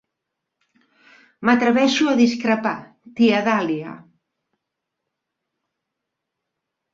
M'atreveixo a discrepar, tia Dahlia.